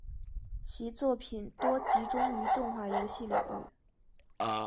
其作品多集中于动画游戏领域。